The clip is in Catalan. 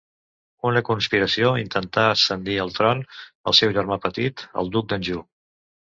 Una conspiració intentà ascendir al tron al seu germà petit, el duc d'Anjou.